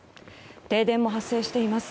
停電も発生しています。